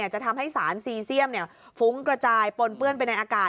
จะทำให้สารซีเซียมฟุ้งกระจายปนเปื้อนไปในอากาศ